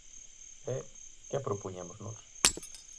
E ¿que propoñemos nós?